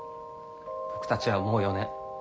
僕たちはもう４年。